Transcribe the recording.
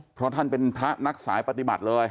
เพราะท่านเป็นพระนักสายปฏิบัติเลย